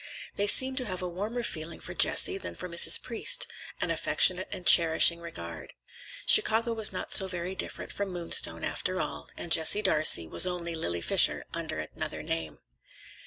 They seemed to have a warmer feeling for Jessie than for Mrs. Priest, an affectionate and cherishing regard. Chicago was not so very different from Moonstone, after all, and Jessie Darcey was only Lily Fisher under another name.